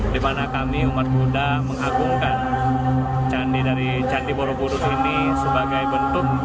di mana kami umat buddha mengagungkan candi borobudur ini sebagai bentuk